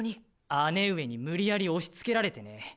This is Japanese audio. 姉上に無理やり押し付けられてね。